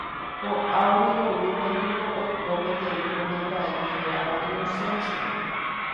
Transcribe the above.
Ka'aguy Rorýpe niko oiko peteĩ kuñataĩ hérava Inocencia.